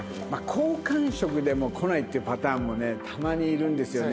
好感触でも来ないっていうパターンもねたまにいるんですよね。